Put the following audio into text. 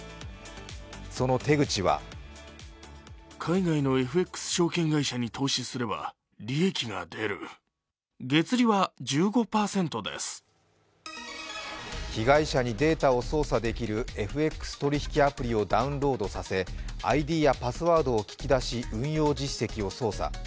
その手口は被害者にデータを操作できるＦＸ取引アプリをダウンロードさせＩＤやパスワードを聞き出し運用実績を操作。